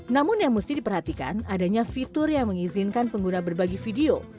namun yang mesti diperhatikan adanya fitur yang mengizinkan pengguna berbagi video